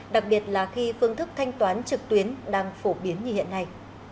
đặc biệt là khi phương thức thanh toán trực tuyến đang phổ biến như hiện nay